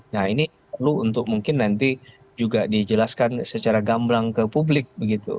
nah ini perlu untuk mungkin nanti juga dijelaskan secara gamblang ke publik begitu